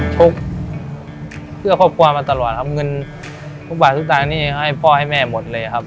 ชกเพื่อครอบครัวมาตลอดครับเงินทุกบาททุกตานี่ให้พ่อให้แม่หมดเลยครับ